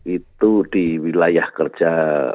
itu di wilayah kerja